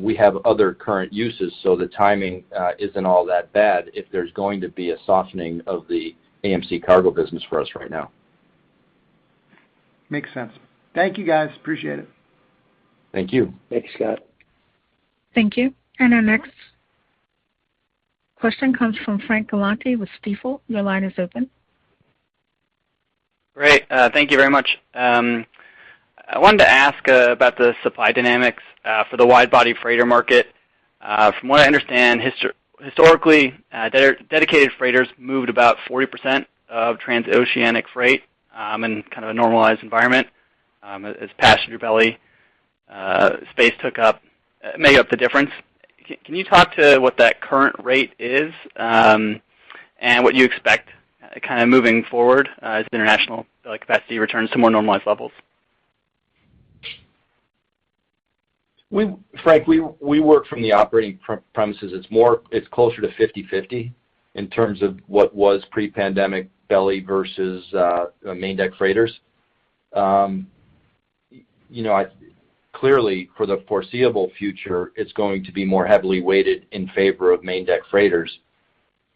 we have other current uses, so the timing isn't all that bad if there's going to be a softening of the AMC cargo business for us right now. Makes sense. Thank you, guys. Appreciate it. Thank you. Thanks, Scott. Thank you. Our next question comes from Frank Galanti with Stifel. Your line is open. Great. Thank you very much. I wanted to ask about the supply dynamics for the wide-body freighter market. From what I understand, historically, dedicated freighters moved about 40% of transoceanic freight in kind of a normalized environment, as passenger belly space made up the difference. Can you talk to what that current rate is, and what you expect kind of moving forward, as international capacity returns to more normalized levels? Frank, we work from the operating premises. It's closer to 50/50 in terms of what was pre-pandemic belly versus main deck freighters. You know, clearly for the foreseeable future, it's going to be more heavily weighted in favor of main deck freighters.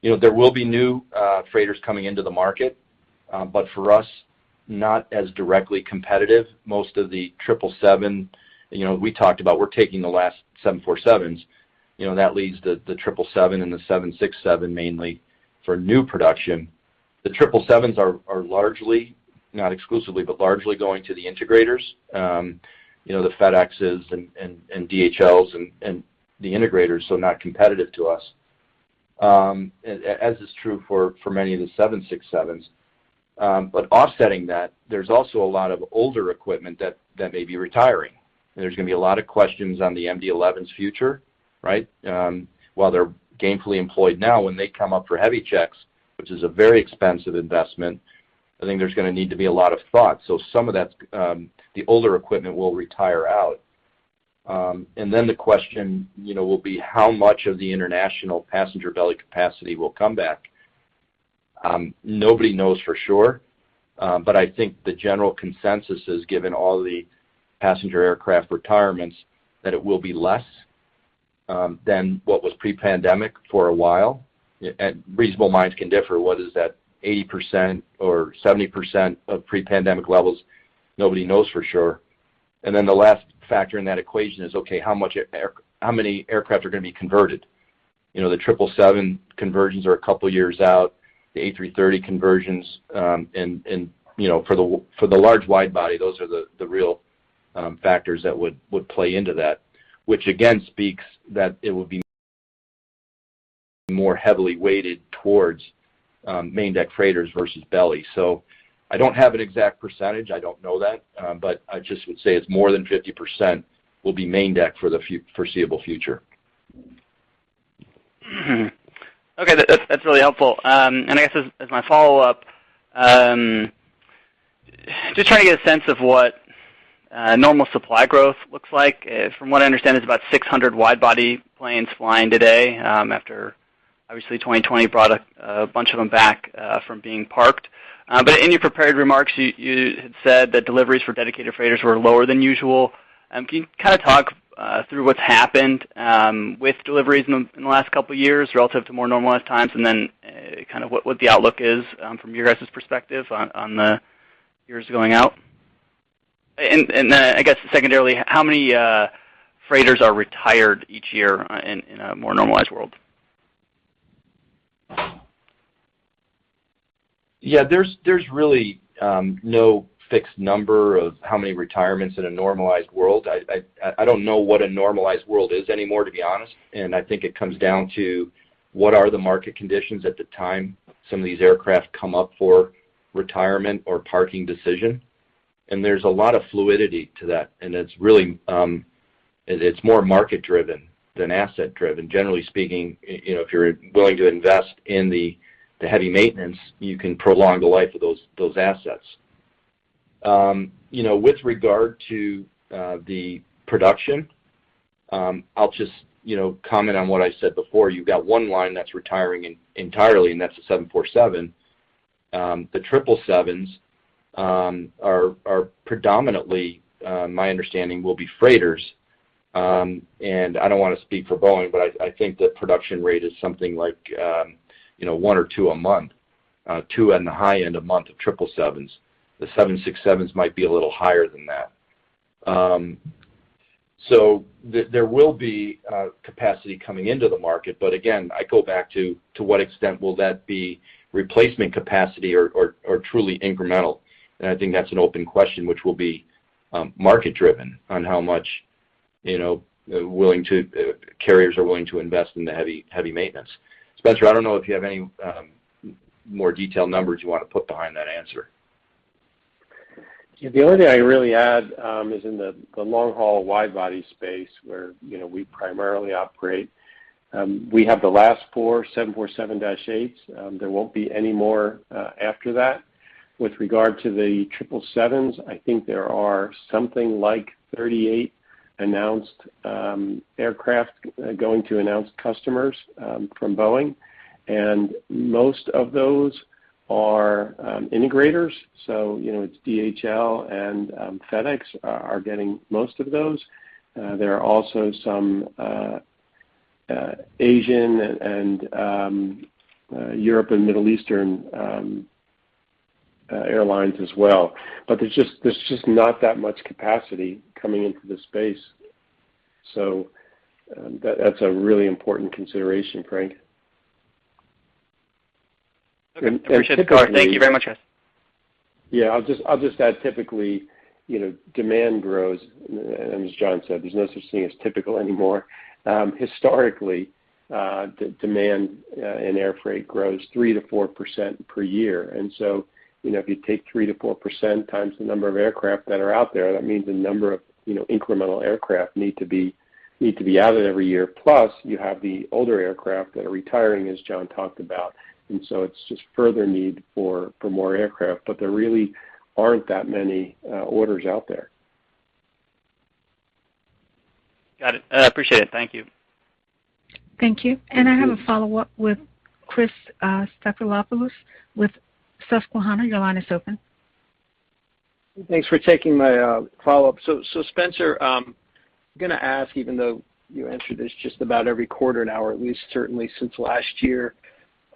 You know, there will be new freighters coming into the market, but for us, not as directly competitive. Most of the triple seven. You know, we talked about we're taking the last seven four sevens. You know, that leaves the triple seven and the seven six seven mainly for new production. The triple sevens are largely, not exclusively, but largely going to the integrators, you know, the FedExes and DHLs and the integrators, so not competitive to us. As is true for many of the seven six sevens. Offsetting that, there's also a lot of older equipment that may be retiring. There's going to be a lot of questions on the MD-11's future, right? While they're gainfully employed now, when they come up for heavy checks, which is a very expensive investment, I think there's going to need to be a lot of thought. Some of that, the older equipment will retire out. The question, you know, will be how much of the international passenger belly capacity will come back? Nobody knows for sure, but I think the general consensus is, given all the passenger aircraft retirements, that it will be less than what was pre-pandemic for a while. Reasonable minds can differ. What is that, 80% or 70% of pre-pandemic levels? Nobody knows for sure. Then the last factor in that equation is, okay, how many aircraft are going to be converted? You know, the triple seven conversions are a couple of years out. The A330 conversions, and you know, for the large wide body, those are the real factors that would play into that, which again speaks that it would be more heavily weighted towards main deck freighters versus belly. I don't have an exact percentage. I don't know that. I just would say it's more than 50% will be main deck for the foreseeable future. Okay. That's really helpful. I guess as my follow-up, just trying to get a sense of what normal supply growth looks like. From what I understand, it's about 600 wide body planes flying today, after obviously 2020 brought a bunch of them back from being parked. But in your prepared remarks, you had said that deliveries for dedicated freighters were lower than usual. Can you kind of talk through what's happened with deliveries in the last couple of years relative to more normalized times? Then, kind of what the outlook is from your guys' perspective on the years going out? I guess secondarily, how many freighters are retired each year in a more normalized world? Yeah. There's really no fixed number of how many retirements in a normalized world. I don't know what a normalized world is anymore, to be honest. I think it comes down to what are the market conditions at the time some of these aircraft come up for retirement or parking decision. There's a lot of fluidity to that, and it's really more market-driven than asset-driven. Generally speaking, you know, if you're willing to invest in the heavy maintenance, you can prolong the life of those assets. You know, with regard to the production, I'll just, you know, comment on what I said before. You've got one line that's retiring entirely, and that's the 747. The 777s are predominantly, my understanding will be freighters. I don't want to speak for Boeing, but I think the production rate is something like, you know, one or two a month, two in the high end a month of 777s. The 767s might be a little higher than that. There will be capacity coming into the market, but again, I go back to what extent will that be replacement capacity or truly incremental. I think that's an open question which will be market-driven on how much, you know, carriers are willing to invest in the heavy maintenance. Spencer, I don't know if you have any more detailed numbers you wanna put behind that answer. The only thing I can really add is in the long-haul wide-body space where, you know, we primarily operate, we have the last 4 747-8s. There won't be any more after that. With regard to the 777s, I think there are something like 38 announced aircraft going to announced customers from Boeing, and most of those are integrators, so you know, it's DHL and FedEx are getting most of those. There are also some Asian and European and Middle Eastern airlines as well. But there's just not that much capacity coming into this space. So that's a really important consideration, Frank. Okay. Typically. Appreciate it. Thank you very much, guys. Yeah, I'll just add typically, you know, demand grows, and as John said, there's no such thing as typical anymore. Historically, the demand in air freight grows 3%-4% per year. You know, if you take 3%-4% times the number of aircraft that are out there, that means the number of, you know, incremental aircraft need to be added every year. Plus, you have the older aircraft that are retiring, as John talked about. It's just further need for more aircraft, but there really aren't that many orders out there. Got it. I appreciate it. Thank you. Thank you. I have a follow-up with Chris Stathoulopoulos with Susquehanna. Your line is open. Thanks for taking my follow-up. So Spencer, gonna ask even though you answered this just about every quarter now, or at least certainly since last year.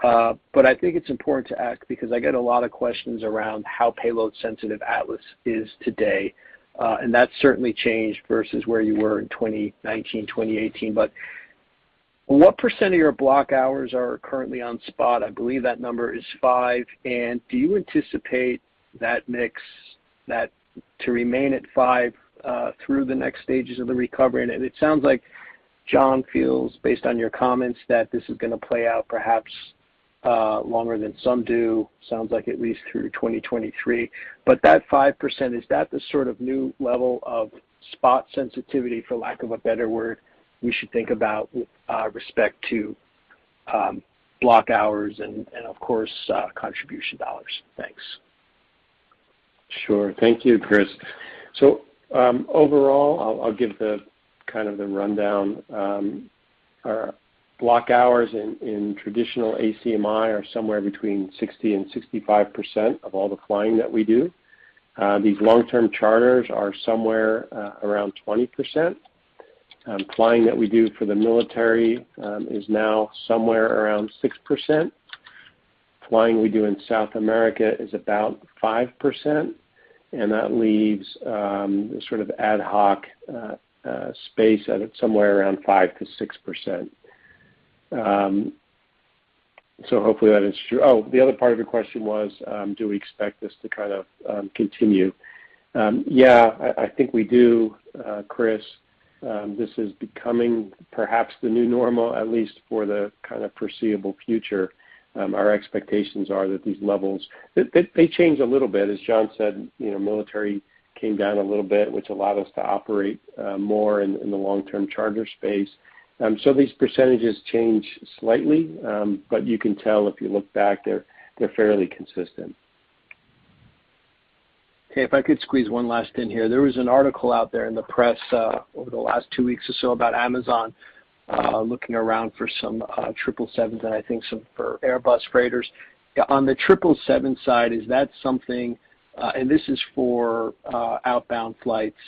But I think it's important to ask because I get a lot of questions around how payload sensitive Atlas is today, and that's certainly changed versus where you were in 2019, 2018. But what percent of your block hours are currently on spot? I believe that number is 5%. And do you anticipate that mix to remain at 5%, through the next stages of the recovery? And it sounds like John feels, based on your comments, that this is gonna play out perhaps longer than some do, sounds like at least through 2023. That 5%, is that the sort of new level of spot sensitivity, for lack of a better word, we should think about with respect to block hours and of course contribution dollars? Thanks. Sure. Thank you, Chris. Overall, I'll give the kind of the rundown. Our block hours in traditional ACMI are somewhere between 60 and 65% of all the flying that we do. These long-term charters are somewhere around 20%. Flying that we do for the military is now somewhere around 6%. Flying we do in South America is about 5%, and that leaves the sort of ad hoc space at somewhere around 5%-6%. So hopefully that is true. Oh, the other part of your question was, do we expect this to kind of continue? Yeah, I think we do, Chris. This is becoming perhaps the new normal, at least for the kind of foreseeable future. Our expectations are that these levels, they change a little bit. As John said, you know, military came down a little bit, which allowed us to operate more in the long-term charter space. These percentages change slightly, but you can tell if you look back, they're fairly consistent. Okay, if I could squeeze one last in here. There was an article out there in the press over the last two weeks or so about Amazon looking around for some 777s and I think some for Airbus freighters. On the 777 side, is that something and this is for outbound flights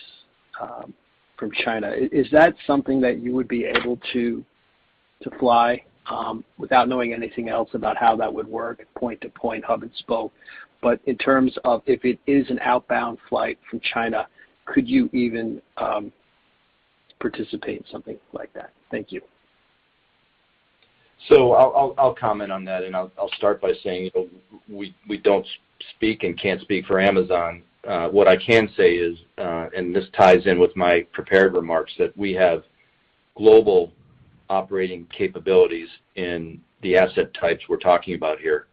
from China. Is that something that you would be able to fly without knowing anything else about how that would work, point to point, hub and spoke. But in terms of if it is an outbound flight from China, could you even participate in something like that? Thank you. I'll comment on that, and I'll start by saying we don't speak and can't speak for Amazon. What I can say is, and this ties in with my prepared remarks, that we have global operating capabilities in the asset types we're talking about here.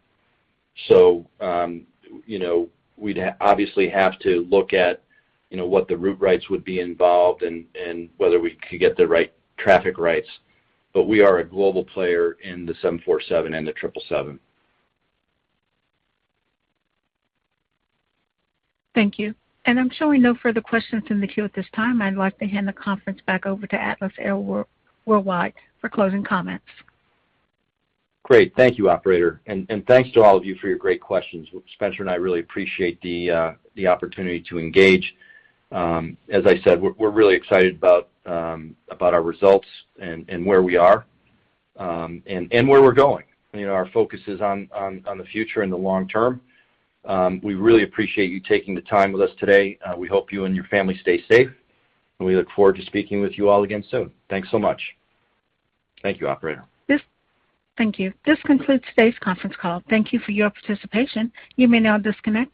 You know, we'd obviously have to look at, you know, what the route rights would be involved and whether we could get the right traffic rights. We are a global player in the 747 and the 777. Thank you. I'm showing no further questions in the queue at this time. I'd like to hand the conference back over to Atlas Air Worldwide for closing comments. Great. Thank you, operator. Thanks to all of you for your great questions. Spencer and I really appreciate the opportunity to engage. As I said, we're really excited about our results and where we are, and where we're going. You know, our focus is on the future and the long term. We really appreciate you taking the time with us today. We hope you and your family stay safe, and we look forward to speaking with you all again soon. Thanks so much. Thank you, operator. Yes. Thank you. This concludes today's conference call. Thank you for your participation. You may now disconnect.